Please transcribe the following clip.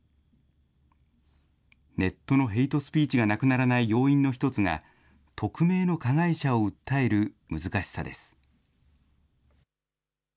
ネットのヘイトスピーチがなくならない要因の１つが、匿名の加害者を訴える難しさです。